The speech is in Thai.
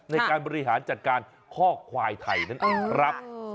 ในการบริหารจัดการข้อควายไทยนั่นเองครับ